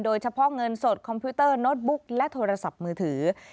โดยเฉพาะเงินสดคอมพิวเตอร์โน้ตบุ๊กและโทรศัพท์มือถือ